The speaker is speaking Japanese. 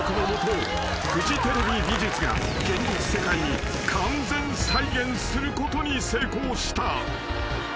フジテレビ美術が現実世界に完全再現することに成功した］